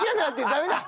ダメだ。